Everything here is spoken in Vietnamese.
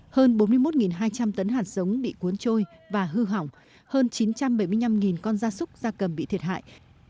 hơn bốn mươi một hai trăm linh tấn hạt sống bị cuốn trôi và hư hỏng hơn chín trăm bảy mươi năm con da súc da cầm bị thiệt hại